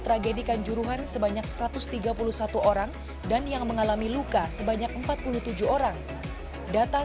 tragedi kanjuruhan sebanyak satu ratus tiga puluh satu orang dan yang mengalami luka sebanyak empat puluh tujuh orang data